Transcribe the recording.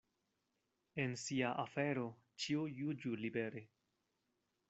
En sia afero ĉiu juĝu libere.